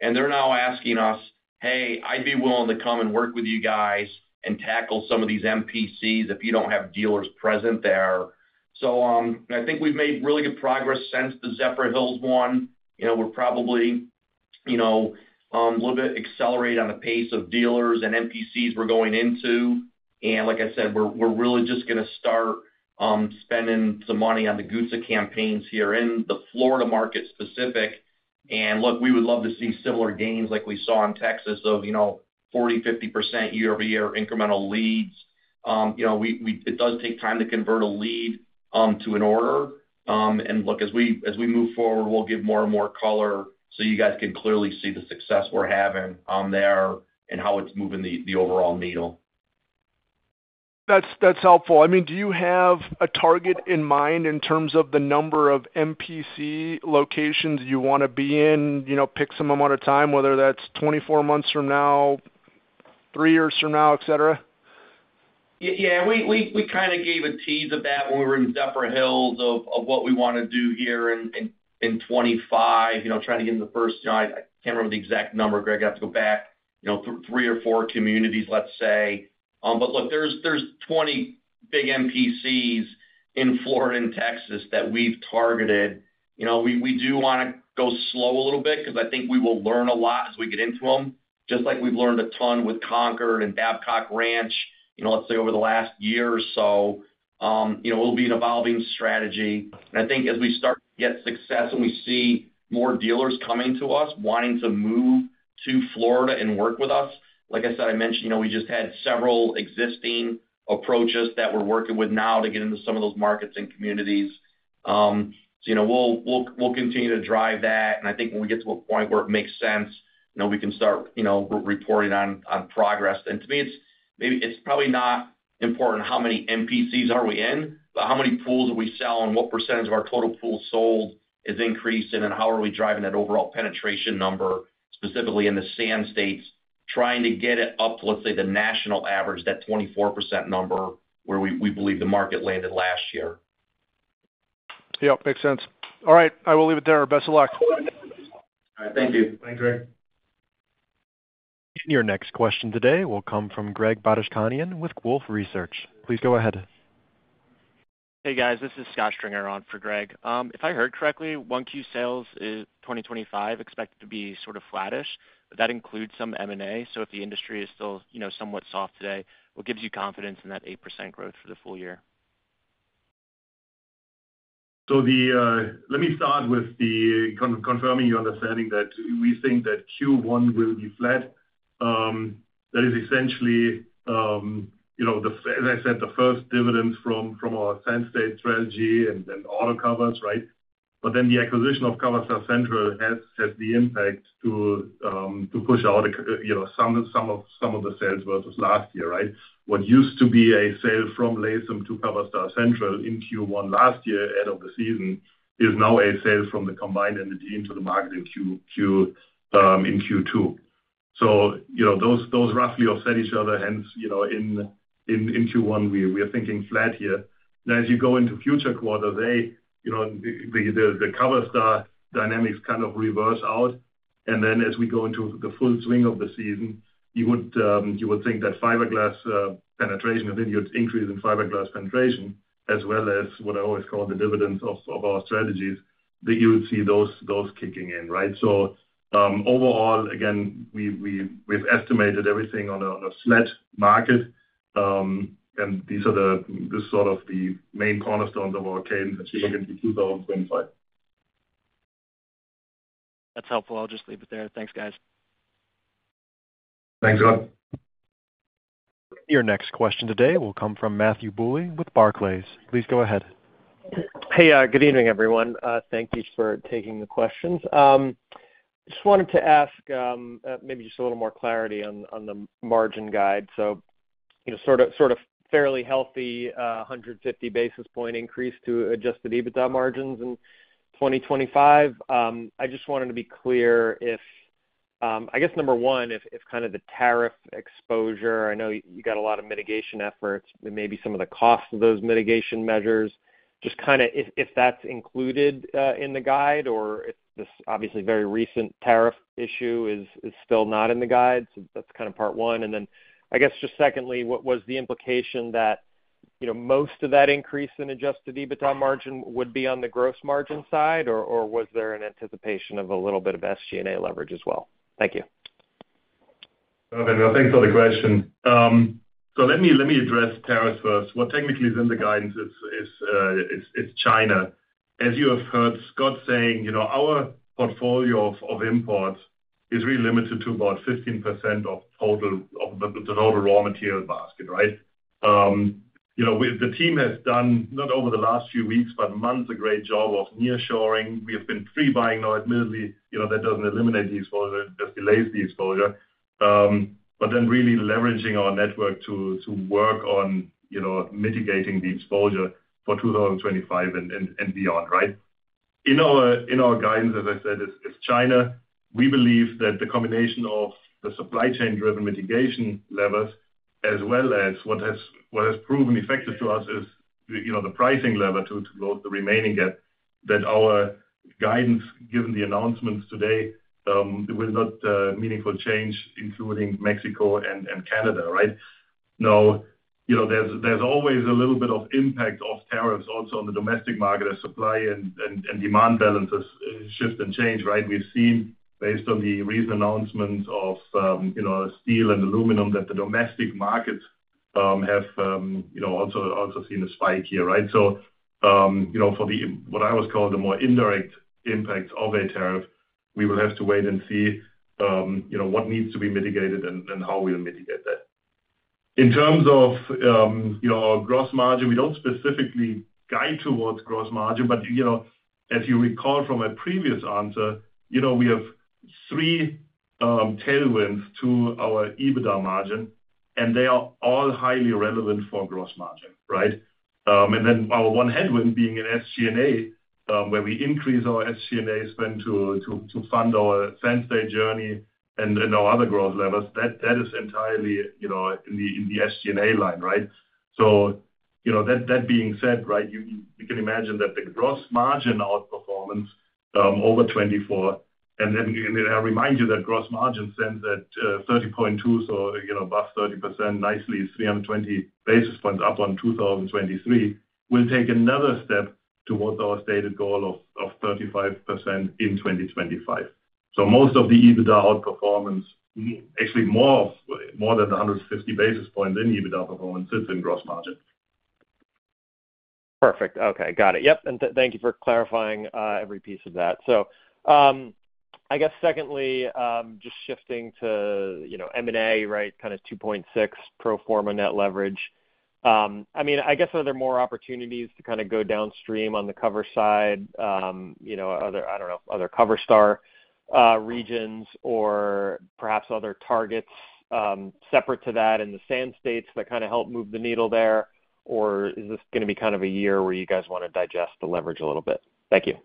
Speaker 3: They're now asking us, "Hey, I'd be willing to come and work with you guys and tackle some of these MPCs if you don't have dealers present there." I think we've made really good progress since the Zephyrhills one. We're probably a little bit accelerated on the pace of dealers and MPCs we're going into. Like I said, we're really just going to start spending some money on the GOTSA campaigns here in the Florida market specific. Look, we would love to see similar gains like we saw in Texas of 40%-50% year-over-year incremental leads. It does take time to convert a lead to an order. Look, as we move forward, we'll give more and more color so you guys can clearly see the success we're having there and how it's moving the overall needle.
Speaker 8: That's helpful. I mean, do you have a target in mind in terms of the number of MPC locations you want to be in, pick some amount of time, whether that's 24 months from now, three years from now, etc.?
Speaker 3: Yeah. We kind of gave a tease of that when we were in Zephyrhills of what we want to do here in 2025, trying to get in the first. I can't remember the exact number, Greg. I'd have to go back three or four communities, let's say. Look, there's 20 big MPCs in Florida and Texas that we've targeted. We do want to go slow a little bit because I think we will learn a lot as we get into them, just like we've learned a ton with Concord and Babcock Ranch, let's say over the last year or so. It'll be an evolving strategy. I think as we start to get success and we see more dealers coming to us wanting to move to Florida and work with us, like I said, I mentioned we just had several existing approaches that we're working with now to get into some of those markets and communities. We will continue to drive that. I think when we get to a point where it makes sense, we can start reporting on progress. To me, it's probably not important how many MPCs are we in, but how many pools are we selling, what percentage of our total pools sold is increasing, and how are we driving that overall penetration number specifically in the Sand States, trying to get it up to, let's say, the national average, that 24% number where we believe the market landed last year.
Speaker 8: Yep. Makes sense. All right. I will leave it there. Best of luck.
Speaker 3: All right. Thank you.
Speaker 2: Thanks, Greg.
Speaker 1: Your next question today will come from Greg Bardishkanian with Wolf Research. Please go ahead.
Speaker 9: Hey, guys. This is Scott Stringer on for Greg. If I heard correctly, 1Q sales 2025 expected to be sort of flattish. That includes some M&A. If the industry is still somewhat soft today, what gives you confidence in that 8% growth for the full year?
Speaker 4: Let me start with confirming your understanding that we think that Q1 will be flat. That is essentially, as I said, the first dividends from our Sand State strategy and auto covers. The acquisition of CoverStar Central has the impact to push out some of the sales versus last year. What used to be a sale from Latham to CoverStar Central in Q1 last year at the end of the season is now a sale from the combined entity into the market in Q2. Those roughly offset each other. Hence, in Q1, we are thinking flat here. As you go into future quarters, the CoverStar dynamics kind of reverse out. As we go into the full swing of the season, you would think that fiberglass penetration and then you'd increase in fiberglass penetration as well as what I always call the dividends of our strategies, that you would see those kicking in. Overall, again, we've estimated everything on a flat market. These are sort of the main cornerstones of our cadence as we look into 2025.
Speaker 9: That's helpful. I'll just leave it there. Thanks, guys.
Speaker 4: Thanks, Scott.
Speaker 1: Your next question today will come from Matthew Boley with Barclays. Please go ahead.
Speaker 10: Hey, good evening, everyone. Thank you for taking the questions. Just wanted to ask maybe just a little more clarity on the margin guide. So sort of fairly healthy 150 basis point increase to adjusted EBITDA margins in 2025. I just wanted to be clear if, I guess, number one, if kind of the tariff exposure, I know you got a lot of mitigation efforts, maybe some of the costs of those mitigation measures, just kind of if that's included in the guide or if this obviously very recent tariff issue is still not in the guide. So that's kind of part one. I guess just secondly, what was the implication that most of that increase in adjusted EBITDA margin would be on the gross margin side, or was there an anticipation of a little bit of SG&A leverage as well? Thank you.
Speaker 4: Thanks for the question. Let me address tariffs first. What technically is in the guidance is China. As you have heard Scott saying, our portfolio of imports is really limited to about 15% of the total raw material basket. The team has done, not over the last few weeks, but months, a great job of nearshoring. We have been pre-buying now admittedly. That does not eliminate the exposure. That delays the exposure. Really leveraging our network to work on mitigating the exposure for 2025 and beyond. In our guidance, as I said, is China. We believe that the combination of the supply chain-driven mitigation levers, as well as what has proven effective to us, is the pricing lever to close the remaining gap that our guidance, given the announcements today, will not meaningfully change, including Mexico and Canada. Now, there's always a little bit of impact of tariffs also on the domestic market as supply and demand balances shift and change. We've seen, based on the recent announcements of steel and aluminum, that the domestic markets have also seen a spike here. For what I always call the more indirect impacts of a tariff, we will have to wait and see what needs to be mitigated and how we'll mitigate that. In terms of our gross margin, we don't specifically guide towards gross margin. As you recall from a previous answer, we have three tailwinds to our EBITDA margin, and they are all highly relevant for gross margin. Our one headwind is in SG&A, where we increase our SG&A spend to fund our Sand State journey and our other growth levers. That is entirely in the SG&A line. That being said, you can imagine that the gross margin outperformance over 2024—and I remind you that gross margin stands at 30.2%, so above 30% nicely, 320 basis points up on 2023—will take another step towards our stated goal of 35% in 2025. Most of the EBITDA outperformance, actually more than 150 basis points in EBITDA performance, sits in gross margin.
Speaker 10: Perfect. Okay. Got it. Yep. Thank you for clarifying every piece of that. I guess secondly, just shifting to M&A, kind of 2.6 pro forma net leverage. I mean, I guess are there more opportunities to kind of go downstream on the cover side, I don't know, other CoverStar regions or perhaps other targets separate to that in the Sand States that kind of help move the needle there? Or is this going to be kind of a year where you guys want to digest the leverage a little bit? Thank you.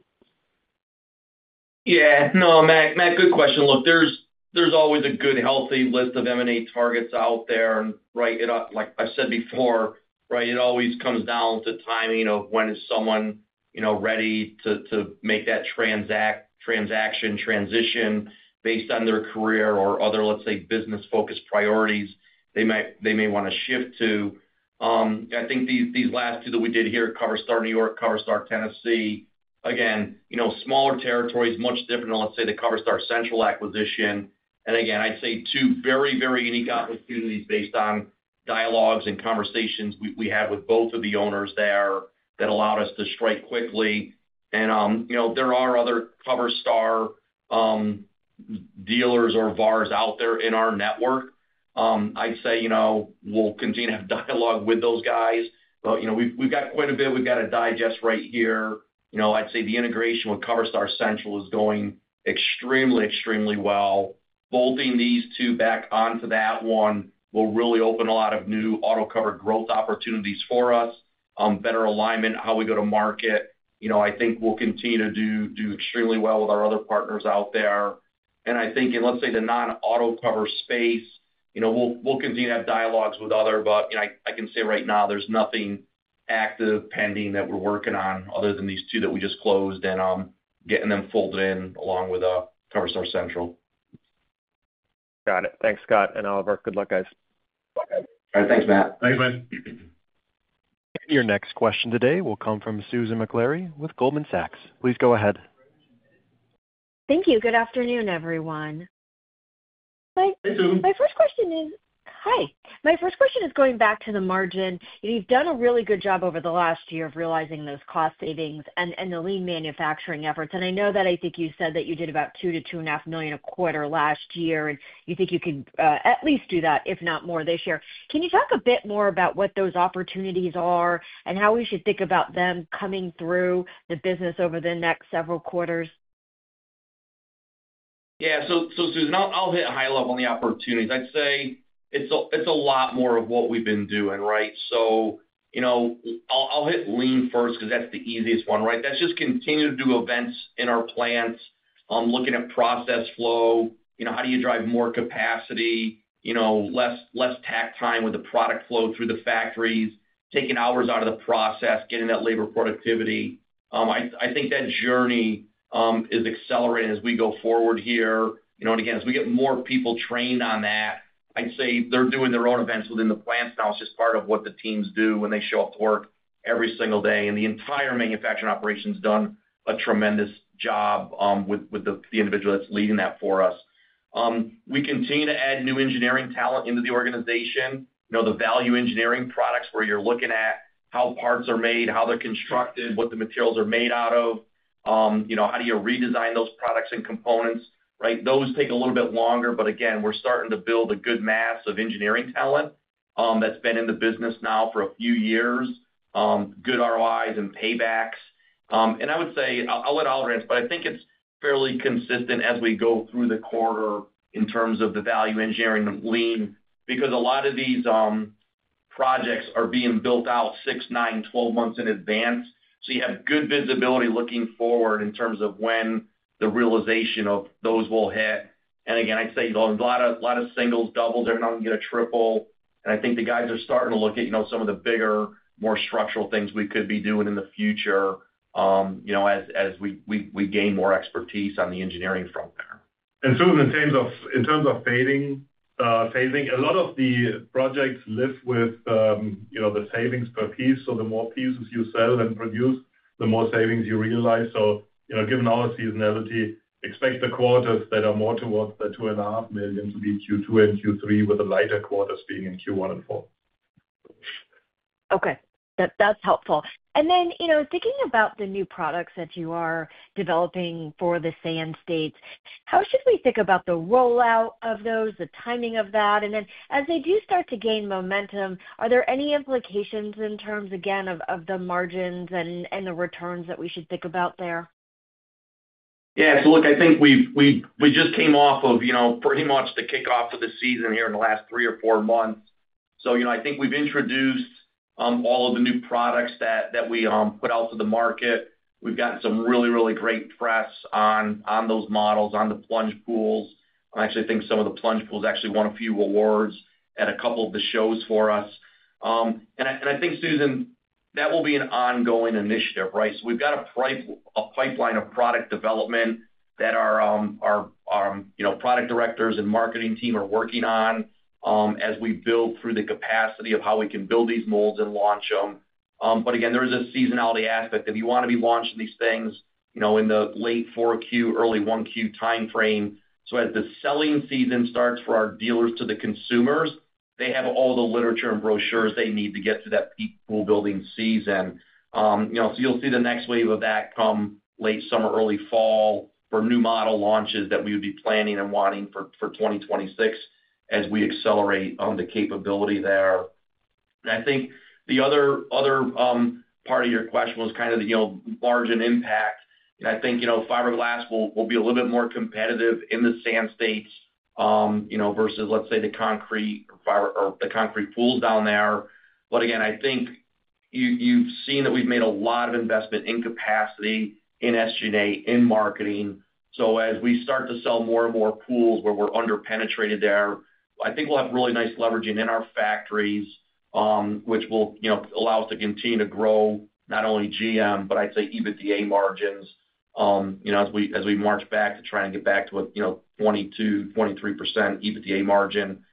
Speaker 3: Yeah. No, Matt, good question. Look, there's always a good, healthy list of M&A targets out there. Like I've said before, it always comes down to timing of when is someone ready to make that transaction transition based on their career or other, let's say, business-focused priorities they may want to shift to. I think these last two that we did here, CoverStar New York, CoverStar Tennessee, again, smaller territories, much different than, let's say, the CoverStar Central acquisition. I'd say two very, very unique opportunities based on dialogues and conversations we had with both of the owners there that allowed us to strike quickly. There are other CoverStar dealers or VARs out there in our network. I'd say we'll continue to have dialogue with those guys. We've got quite a bit we've got to digest right here. I'd say the integration with CoverStar Central is going extremely, extremely well. Bolting these two back onto that one will really open a lot of new auto cover growth opportunities for us, better alignment, how we go to market. I think we'll continue to do extremely well with our other partners out there. I think in, let's say, the non-auto cover space, we'll continue to have dialogues with other. I can say right now, there's nothing active pending that we're working on other than these two that we just closed and getting them folded in along with CoverStar Central.
Speaker 10: Got it. Thanks, Scott. And Oliver, good luck, guys.
Speaker 3: All right. Thanks, Matt.
Speaker 4: Thanks, Matt.
Speaker 1: Your next question today will come from Susan McLeary with Goldman Sachs. Please go ahead. Thank you. Good afternoon, everyone. Hi. Hey, Sue. My first question is, hi. My first question is going back to the margin. You've done a really good job over the last year of realizing those cost savings and the lean manufacturing efforts. I know that I think you said that you did about $2 million to $2.5 million a quarter last year, and you think you can at least do that, if not more, this year. Can you talk a bit more about what those opportunities are and how we should think about them coming through the business over the next several quarters?
Speaker 3: Yeah. Susan, I'll hit a high level on the opportunities. I'd say it's a lot more of what we've been doing. I'll hit lean first because that's the easiest one. That's just continuing to do events in our plants, looking at process flow, how do you drive more capacity, less tack time with the product flow through the factories, taking hours out of the process, getting that labor productivity. I think that journey is accelerating as we go forward here. As we get more people trained on that, I'd say they're doing their own events within the plants now. It's just part of what the teams do when they show up to work every single day. The entire manufacturing operation has done a tremendous job with the individual that's leading that for us. We continue to add new engineering talent into the organization, the value engineering products where you're looking at how parts are made, how they're constructed, what the materials are made out of, how do you redesign those products and components. Those take a little bit longer. Again, we're starting to build a good mass of engineering talent that's been in the business now for a few years, good ROIs and paybacks. I would say I'll let Oliver answer, but I think it's fairly consistent as we go through the quarter in terms of the value engineering lean because a lot of these projects are being built out six, nine, 12 months in advance. You have good visibility looking forward in terms of when the realization of those will hit. I'd say a lot of singles, doubles, every now and again, a triple. I think the guys are starting to look at some of the bigger, more structural things we could be doing in the future as we gain more expertise on the engineering front there.
Speaker 4: Susan, in terms of saving, a lot of the projects live with the savings per piece. The more pieces you sell and produce, the more savings you realize. Given our seasonality, expect the quarters that are more towards the $2.5 million to be Q2 and Q3 with the lighter quarters being in Q1 and Q4.
Speaker 11: Okay. That's helpful. Then thinking about the new products that you are developing for the Sand States, how should we think about the rollout of those, the timing of that? As they do start to gain momentum, are there any implications in terms, again, of the margins and the returns that we should think about there?
Speaker 3: Yeah. Look, I think we just came off of pretty much the kickoff of the season here in the last three or four months. I think we've introduced all of the new products that we put out to the market. We've gotten some really, really great press on those models, on the plunge pools. I actually think some of the plunge pools actually won a few awards at a couple of the shows for us. I think, Susan, that will be an ongoing initiative. We have a pipeline of product development that our product directors and marketing team are working on as we build through the capacity of how we can build these molds and launch them. There is a seasonality aspect. If you want to be launching these things in the late 4Q, early 1Q timeframe, as the selling season starts for our dealers to the consumers, they have all the literature and brochures they need to get to that peak pool building season. You will see the next wave of that come late summer, early fall for new model launches that we would be planning and wanting for 2026 as we accelerate the capability there. I think the other part of your question was kind of the margin impact. I think fiberglass will be a little bit more competitive in the Sand States versus, let's say, the concrete pools down there. I think you've seen that we've made a lot of investment in capacity, in SG&A, in marketing. As we start to sell more and more pools where we're under-penetrated there, I think we'll have really nice leveraging in our factories, which will allow us to continue to grow not only GM, but I'd say EBITDA margins as we march back to trying to get back to a 22%-23% EBITDA margin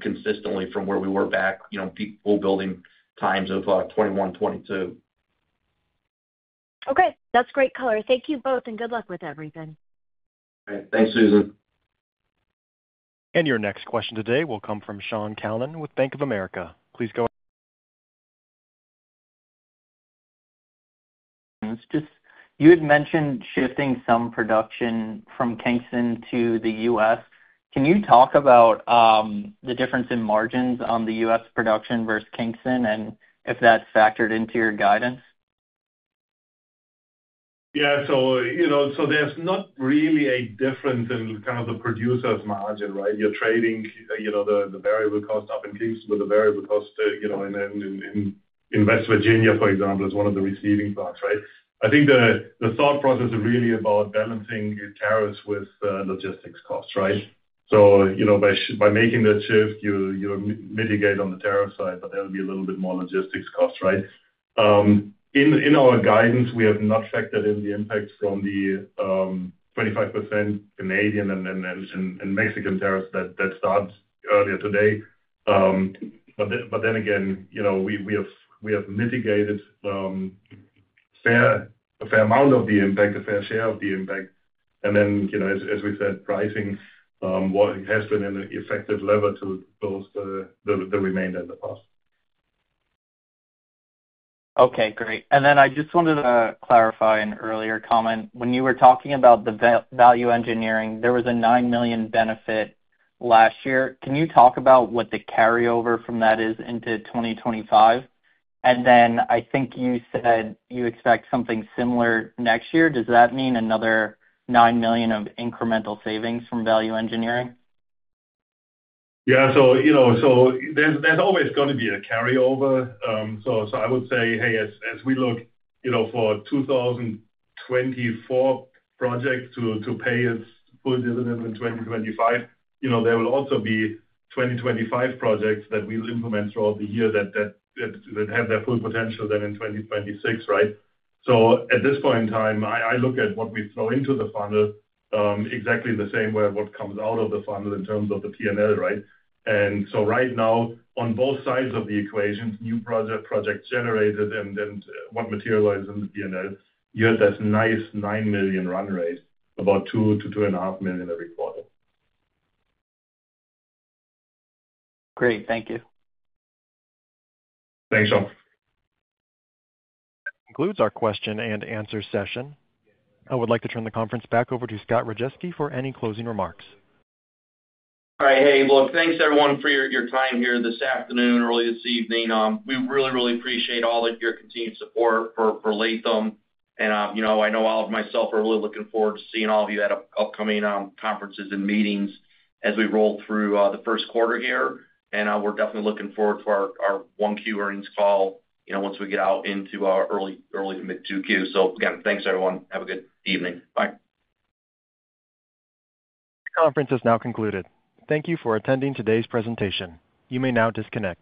Speaker 3: consistently from where we were back, peak pool building times of 2021 to 2022.
Speaker 11: Okay. That's great color. Thank you both, and good luck with everything.
Speaker 3: All right. Thanks, Susan.
Speaker 1: Your next question today will come from Sean Callan with Bank of America. Please go ahead.
Speaker 12: You had mentioned shifting some production from Kingston to the U.S. Can you talk about the difference in margins on the U.S. production versus Kingston and if that's factored into your guidance?
Speaker 4: Yeah. There is not really a difference in kind of the producer's margin. You're trading the variable cost up in Kingston with the variable cost in West Virginia, for example, as one of the receiving parts. I think the thought process is really about balancing tariffs with logistics costs. By making that shift, you mitigate on the tariff side, but there will be a little bit more logistics costs. In our guidance, we have not factored in the impact from the 25% Canadian and Mexican tariffs that started earlier today. We have mitigated a fair amount of the impact, a fair share of the impact. As we said, pricing has been an effective lever to close the remainder in the past.
Speaker 12: Okay. Great. I just wanted to clarify an earlier comment. When you were talking about the value engineering, there was a $9 million benefit last year. Can you talk about what the carryover from that is into 2025? I think you said you expect something similar next year. Does that mean another $9 million of incremental savings from value engineering?
Speaker 4: Yeah. There is always going to be a carryover. I would say, as we look for 2024 projects to pay its full dividend in 2025, there will also be 2025 projects that we will implement throughout the year that have their full potential then in 2026. At this point in time, I look at what we throw into the funnel exactly the same way as what comes out of the funnel in terms of the P&L. Right now, on both sides of the equation, new projects generated and what materializes in the P&L, you have this nice $9 million run rate, about $2 million to $2.5 million every quarter.
Speaker 12: Great. Thank you.
Speaker 4: Thanks, Sean.
Speaker 1: That concludes our question and answer session. I would like to turn the conference back over to Scott Rajeski for any closing remarks.
Speaker 3: All right. Hey, look, thanks, everyone, for your time here this afternoon, early this evening. We really, really appreciate all of your continued support for Latham. I know Oliver and myself are really looking forward to seeing all of you at upcoming conferences and meetings as we roll through the first quarter here. We're definitely looking forward to our 1Q earnings call once we get out into our early to mid-2Q. Again, thanks, everyone. Have a good evening. Bye.
Speaker 1: The conference has now concluded. Thank you for attending today's presentation. You may now disconnect.